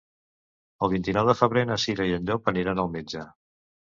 El vint-i-nou de febrer na Cira i en Llop aniran al metge.